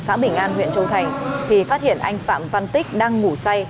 xã bình an huyện châu thành thì phát hiện anh phạm văn tích đang ngủ say